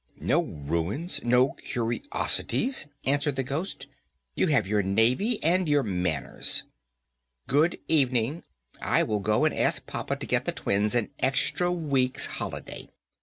"No ruins! no curiosities!" answered the Ghost; "you have your navy and your manners." "Good evening; I will go and ask papa to get the twins an extra week's holiday."